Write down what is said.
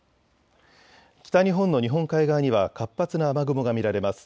北日本の日本海側には活発な雨雲が見られます。